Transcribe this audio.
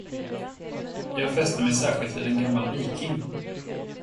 Jag fäste mig särskilt vid en gammal viking.